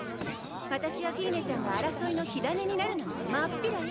私やフィーネちゃんが争いの火種になるなんて真っ平よ。